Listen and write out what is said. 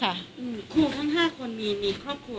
ครูทั้ง๕คนมีมีครอบครัว